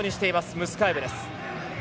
ムスカエブです。